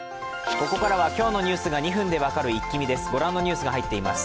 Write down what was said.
ここからは今日のニュースが２分で分かるイッキ見です。